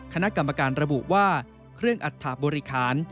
คณะกรรมการระบุว่าเครื่องอัฐบริคาร